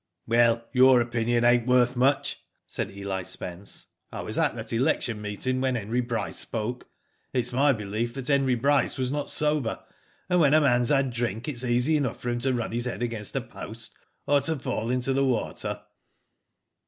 "Well, your opinion ain't worth much," said Eli Spence. " I was at that election meeting G 2 Digitized by V3OOQ IC 84 ^^O DID ITf when Henry Bryce spoke. It's my belief that Henry Bryce was not sober; and when a man's had drink it's easy enough for him to run his head against a post, or to fall into the water."